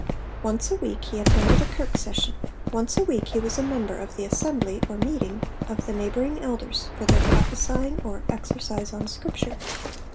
Once a week he attended a Kirk Session; once a week he was a member of the assembly or meeting of the neighbouring elders for their 'prophesying' or 'exercise on Scripture.'